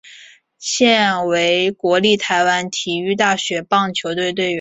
现为国立台湾体育大学棒球队队员。